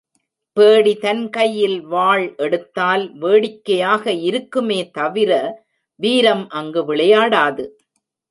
பேடி தன் கையில் வாள் எடுத்தால் வேடிக்கையாக இருக்குமே தவிர வீரம் அங்கு விளையாடாது.